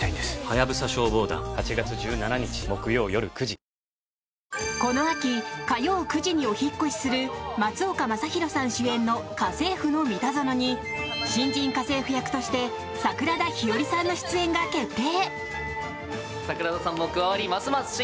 お申込みはこの秋火曜９時にお引っ越しする松岡昌宏さん主演の「家政夫のミタゾノ」に新人家政婦役として桜田ひよりさんの出演が決定！